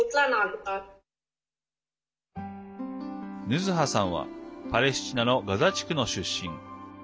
ヌズハさんはパレスチナのガザ地区の出身。